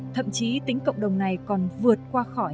thậm chí tính cộng đồng này còn vượt qua khỏi